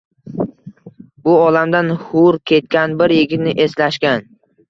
Bu olamdan hur ketgan bir yigitni eslashgan